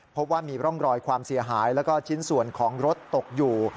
พบว่ามีร่องรอยความเสียหายแล้วก็ชิ้นส่วนของรถตกอยู่